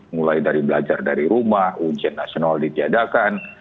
mulai dari belajar dari rumah ujian nasional ditiadakan